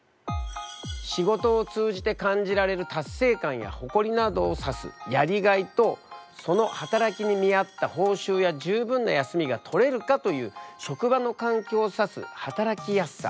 仕事を通じて感じられる達成感や誇りなどを指すやりがいとその働きに見合った報酬や十分な休みが取れるかという職場の環境を指す働きやすさ。